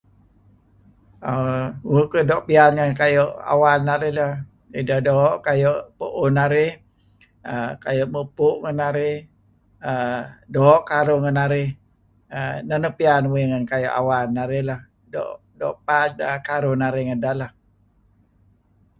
err uih kayu' doo' piyan ngen awan narih kadi' ideh doo' kayu' pu'uh narih, kayu' mupu' ngen narih err doo' karuh ngen narih. {er] Neh nuk doo' piyan narih ngen awan narih, doo' paad karuh narih ngedeh lah .